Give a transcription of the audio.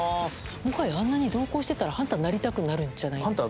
もはやあんなに同行してたらハンターになりたくなるんじゃないですか？